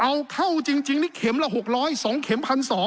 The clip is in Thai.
เอาเข้าจริงนี่เข็มละ๖๐๒เข็ม๑๒๐๐